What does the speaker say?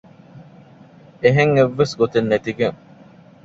އެހެން އެއްވެސް ގޮތެއް ނެތިގެން